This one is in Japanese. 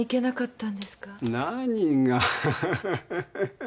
ハハハハハ。